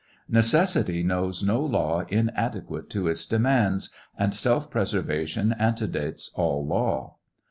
Neces sity knows no law inadequate to its demands, and self preservation antedates all law.